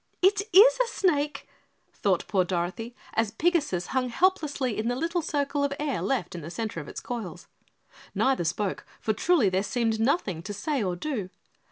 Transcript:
"It is a snake!" thought poor Dorothy, as Pigasus hung helplessly in the little circle of air left in the center of its coils. Neither spoke, for truly there seemed nothing to say or do.